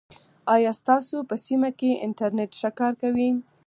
آیا ستاسو په سیمه کې انټرنیټ ښه کار کوي؟